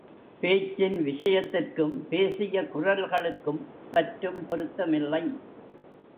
பேச்சின் விஷயத்திற்கும் பேசிய குரல்களுக்கும் சற்றும் பொருத்தமில்லை.